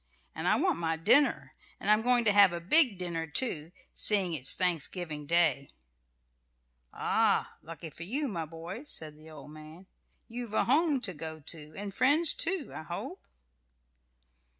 And I want my dinner. And I'm going to have a big dinner, too, seeing it's Thanksgiving Day." "Ah! lucky for you, my boy!" said the old man. "You've a home to go to, and friends, too, I hope?"